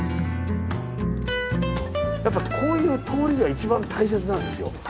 やっぱこういう通りが一番大切なんですよ。